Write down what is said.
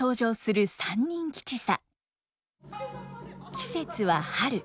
季節は春。